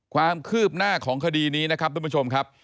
ความคืบหน้าของคดีนี้นะครับทุกผู้ชมครับ